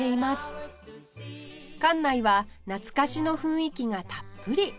館内は懐かしの雰囲気がたっぷり